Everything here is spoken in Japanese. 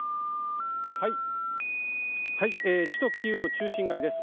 首都キーウの中心街です。